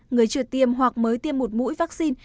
người chưa tiêm hoặc mới tiêm một mũi vaccine